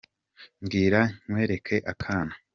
mbwira nkwereke akana